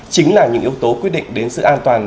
chính là những yếu tố quyết định đến sự an toàn